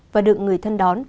và được người thân đón